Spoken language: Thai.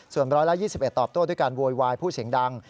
ส่วน๑๒๑ตอบโต้ด้วยการโวยวายพูดเสียงดัง